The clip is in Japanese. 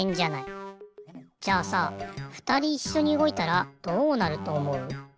じゃあさふたりいっしょにうごいたらどうなるとおもう？